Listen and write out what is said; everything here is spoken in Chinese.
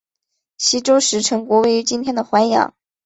西周时陈国位于今天的淮阳。